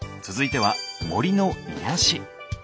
続いては「森の癒やし」。